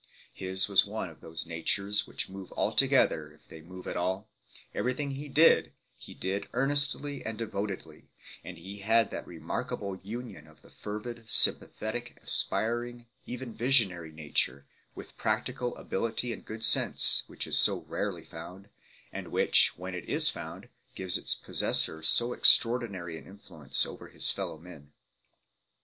His was one of those natures which move alto gether if they move at all; everything he did he did earnestly and devotedly; and he had that remarkable union of the fervid, sympathetic, aspiring, even visionary nature with practical ability and good sense which is so rarely found, and which, when it is found, gives its pos sessor so extraordinary an influence over his fellow men.